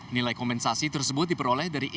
nilai kompensasi tersebut diperoleh dari